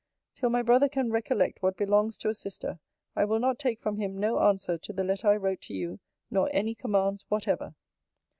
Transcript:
Till my brother can recollect what belongs to a sister, I will not take from him no answer to the letter I wrote to you, nor any commands whatever.